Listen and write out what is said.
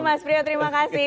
mas priyo terima kasih